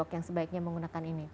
yang sebaiknya menggunakan ini